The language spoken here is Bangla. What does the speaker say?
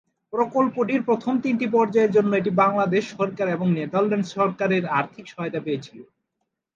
প্রকল্পটির প্রথম তিনটি পর্যায়ের জন্য এটি বাংলাদেশ সরকার এবং নেদারল্যান্ডস সরকারের আর্থিক সহায়তা পেয়েছিল।